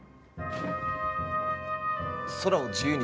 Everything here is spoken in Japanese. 空を自由に。